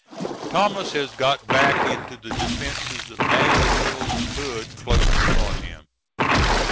Thomas has got back into the defences of Nashville, with Hood close upon him.